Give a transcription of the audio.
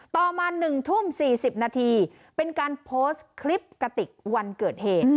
ต่อมา๑ทุ่ม๔๐นาทีเป็นการโพสต์คลิปกติกวันเกิดเหตุ